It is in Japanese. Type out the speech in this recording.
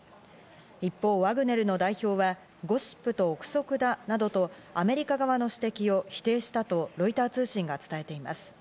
一方、ワグネルの代表は、ゴシップと臆測だなどとアメリカ側の指摘を否定したとロイター通信が伝えています。